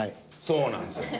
そうなんですよ。